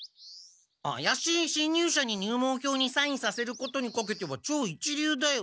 あやしい侵入者に入門票にサインさせることにかけては超一流だよ。